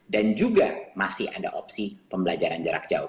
dan juga masih ada opsi pembelajaran jarak jauh